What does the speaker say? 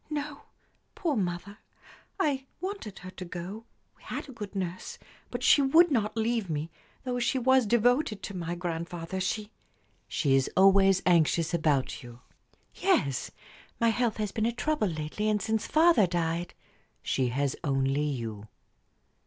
"No; poor mother! I wanted her to go we had a good nurse but she would not leave me, though she was devoted to my grandfather. She " "She is always anxious about you?" "Yes. My health has been a trouble lately, and since father died " "She has only you."